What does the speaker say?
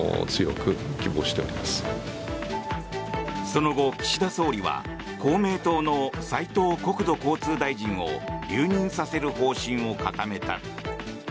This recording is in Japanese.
その後、岸田総理は公明党の斉藤国土交通大臣を留任させる方針を固めた。